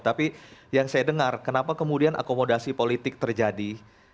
tapi yang saya dengar kenapa kemudian akomodasi politik terjadi